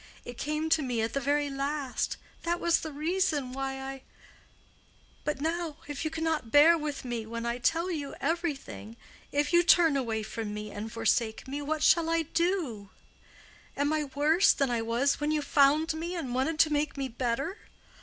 It came to me at the very last—that was the reason why I—But now, if you cannot bear with me when I tell you everything—if you turn away from me and forsake me, what shall I do? Am I worse than I was when you found me and wanted to make me better?